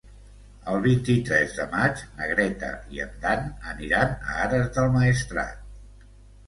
El vint-i-tres de maig na Greta i en Dan aniran a Ares del Maestrat.